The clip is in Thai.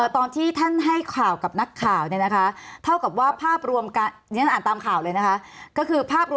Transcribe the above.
ตอนที่ท่านให้ข่าวกับนักข่าวเนี่ยนะคะเท่ากับว่าภาพรวมการ